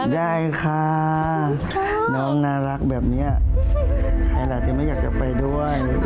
ได้ค่ะน้องน่ารักแบบนี้ใครล่ะจะไม่อยากจะไปด้วย